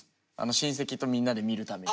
親戚とみんなで見るために。